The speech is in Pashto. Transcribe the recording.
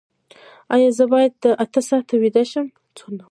ایا زه باید اته ساعته ویده شم؟